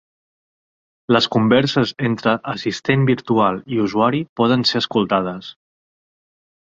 Les converses entre assistent virtual i usuari poden ser escoltades